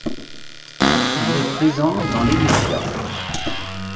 Il est présent dans les médias.